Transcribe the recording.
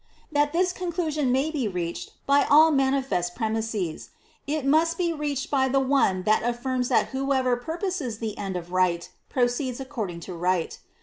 1. That this conclusion may be reached by all manifest premises, it must be reached by the one that affirms that whoever purposes the end of Right proceeds according to Right.